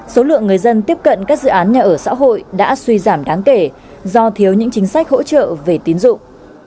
số lượng người dân tiếp cận các dự án nhà ở xã hội đã suy giảm đáng kể do thiếu những chính sách hỗ trợ về tín dụng